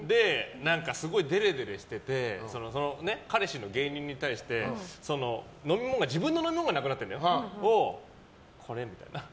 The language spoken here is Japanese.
すごいデレデレしてて彼氏の芸人に対して自分の飲み物がなくなってこれ、みたいな。